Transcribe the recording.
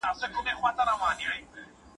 د روغتيا پوهاوی هره ورځ تازه کړئ.